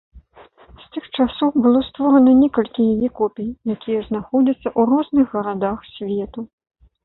З тых часоў было створана некалькі яе копій, якія знаходзяцца ў розных гарадах свету.